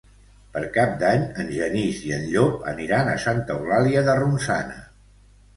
Per Cap d'Any en Genís i en Llop aniran a Santa Eulàlia de Ronçana.